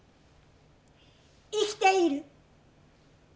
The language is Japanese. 生きている。